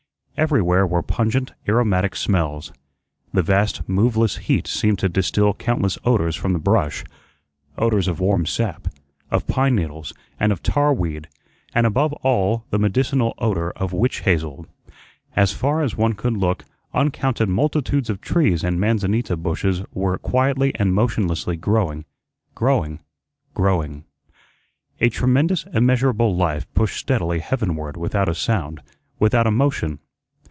Everywhere were pungent, aromatic smells. The vast, moveless heat seemed to distil countless odors from the brush odors of warm sap, of pine needles, and of tar weed, and above all the medicinal odor of witch hazel. As far as one could look, uncounted multitudes of trees and manzanita bushes were quietly and motionlessly growing, growing, growing. A tremendous, immeasurable Life pushed steadily heavenward without a sound, without a motion.